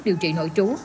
điều trị nội trú